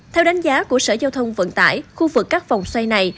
theo đánh giá của sở giao thông vận tải khu vực các vòng xoay này